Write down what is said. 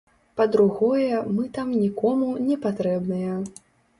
Па-другое, мы там нікому не патрэбныя.